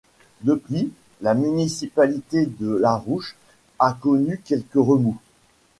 Depuis, la municipalité de Larouche a connu quelques remous.